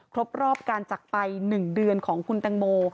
ครบรอบการจักรไป๑เดือนของคุณแตงโม